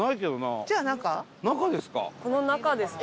中ですか？